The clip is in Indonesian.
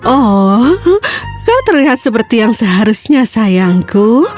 oh kau terlihat seperti yang seharusnya sayangku